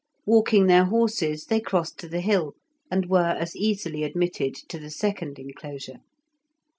Walking their horses they crossed to the hill, and were as easily admitted to the second enclosure.